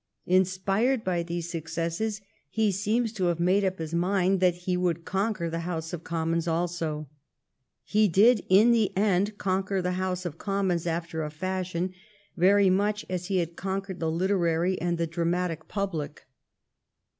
Inspired by these successes, he seems to have made up his mind that he would conquer the House of Com mons also. He did in the end conquer the House of Commons, after a fashion, very much as he had conquered the literary and the dramatic public.